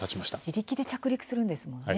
自力で着陸するんですもんね。